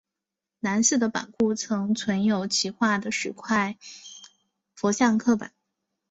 南寺的版库曾存有其画的十块佛像刻版。